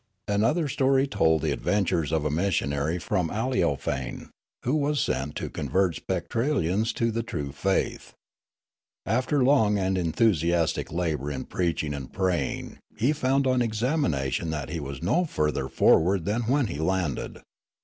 "Another story told the adventures of a missionary from Aleofane, who was sent to convert Spectralians to the true faith. After long and enthusiastic labour in preaching and praying he found on examination that he was no further forward than when he landed.